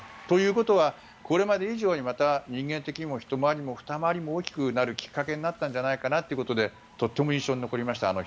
ということは、これまで以上にまた人間的にもひと回りも、ふた回りも大きくなるきっかけになったんじゃないかなということでとっても印象に残りました